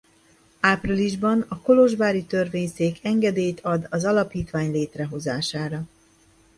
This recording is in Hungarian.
Áprilisban a kolozsvári törvényszék engedélyt ad az alapítvány létrehozására.